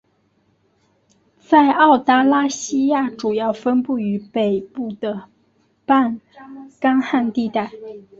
在澳大拉西亚主要分布于北部的半干旱地带。